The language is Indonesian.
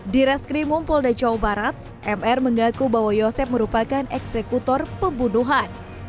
di restri mumpol dajau barat mr mengaku bahwa yosef merupakan eksekutor pembunuhan